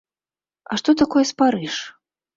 А што такое спарыш?